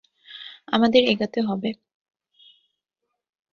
আমাদের এগাতে হবে।